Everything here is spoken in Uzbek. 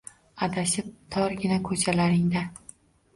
Adashib torgina ko’chalaringda